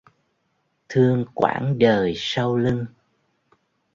Thương quãng đời sau lưng